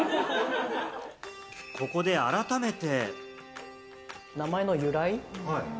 ここで改めて。